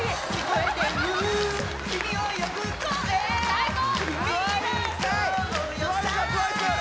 ・最高！